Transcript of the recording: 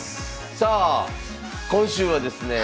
さあ今週はですね